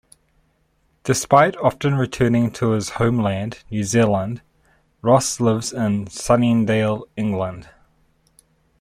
Despite often returning to his homeland New Zealand, Ross lives in Sunningdale, England.